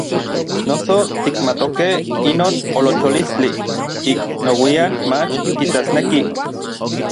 Noso tikmatokej inon olocholistli, ik nouian mach kitasnekij.